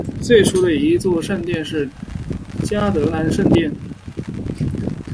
最初的一座圣殿是嘉德兰圣殿。